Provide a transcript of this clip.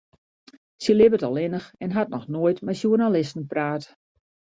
Sy libbet allinnich en hat noch noait mei sjoernalisten praat.